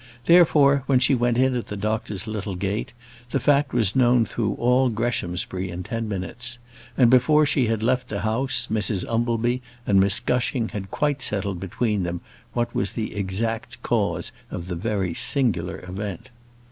Therefore, when she went in at the doctor's little gate, the fact was known through all Greshamsbury in ten minutes, and before she had left the house, Mrs Umbleby and Miss Gushing had quite settled between them what was the exact cause of the very singular event.